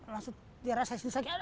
langsung dia rasa